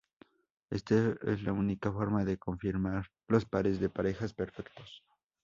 Esta es la única forma de confirmar los pares de parejas perfectos.